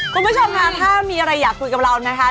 คุณผู้ชมค่ะถ้ามีอะไรอยากคุยกับเรานะคะ